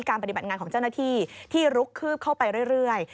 ปฏิบัติงานของเจ้าหน้าที่ที่ลุกคืบเข้าไปเรื่อย